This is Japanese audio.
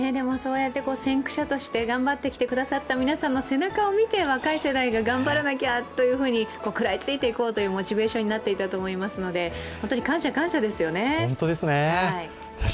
そうやって先駆者として頑張ってきてくださった皆さんの背中を見て若い世代が頑張らなきゃと食らいついていこうというモチベーションになっていたと思いますので本当に感謝、感謝ですよね。